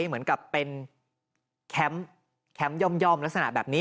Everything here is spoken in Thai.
เหมือนกับเป็นแคมป์แคมป์ย่อมลักษณะแบบนี้